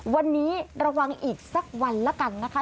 วันนี้ระวังอีกสักวันละกันนะคะ